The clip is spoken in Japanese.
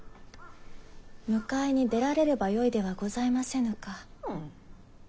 迎えに出られればよいではございませぬか。